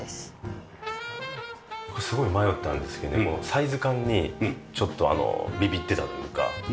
すごい迷ったんですけどこのサイズ感にちょっとビビってたというか。